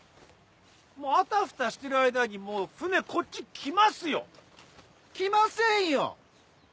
もうあたふたしてる間に船こっち来ますよ。来ませんよ。